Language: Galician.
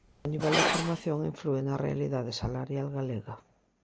O nivel de formación inflúe na realidade salarial galega.